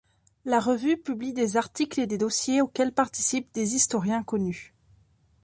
La revue publie des articles et des dossiers auxquels participent des historiens connus.